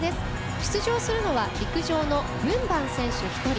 出場するのは陸上のブン・バン選手、１人。